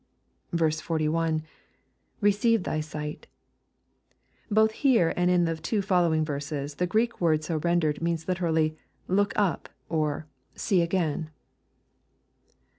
41. — [Receive thy sight] Both here and in the two following verses, the Greek word so rendered means literally, " look up,' or " see again."